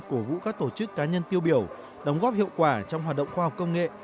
cổ vũ các tổ chức cá nhân tiêu biểu đóng góp hiệu quả trong hoạt động khoa học công nghệ